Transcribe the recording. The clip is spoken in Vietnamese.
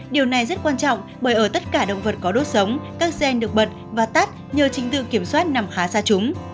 điều này rất quan trọng bởi ở tất cả động vật có đốt sống các gen được bật và tắt nhờ trình tự kiểm soát nằm khá xa chúng